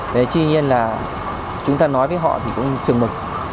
tuy nhiên là chúng ta nói với họ thì cũng trường mực